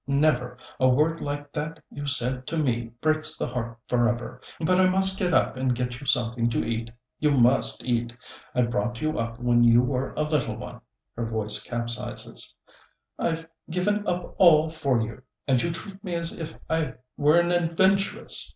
"Never! A word like that you said to me breaks the heart forever. But I must get up and get you something to eat. You must eat. I brought you up when you were a little one," her voice capsizes "I've given up all for you, and you treat me as if I were an adventuress."